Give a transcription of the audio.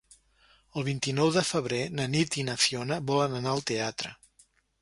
El vint-i-nou de febrer na Nit i na Fiona volen anar al teatre.